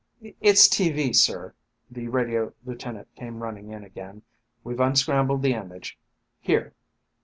"It's tv, sir!" The radio lieutenant came running in again. "We've unscrambled the image. Here!"